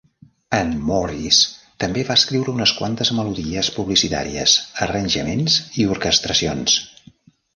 En Morris també va escriure unes quantes melodies publicitàries, arranjaments i orquestracions.